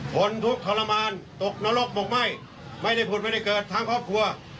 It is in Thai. หล่นทุกข์ทรมานตกนรกหมวกไหมไปไม่ได้ผลพลิกับเหตุเกิดทางครอบครัว